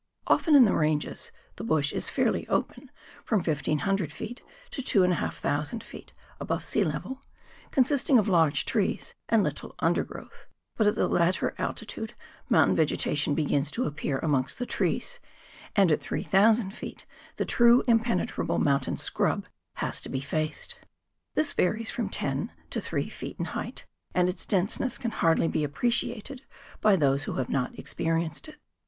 Often in the Ranges the bush is fairly open from 1,500 ft. to 2,500 ft. above sea level, consisting of large trees and little undergrowth, but at the latter altitude mountain vegetation begins to appear amongst the trees, and at 3,000 ft. the true impenetrable mountain scrub has to be faced. This varies from ten to three feet in height, and its denseness can hardly be appreciated by those who have not experienced it.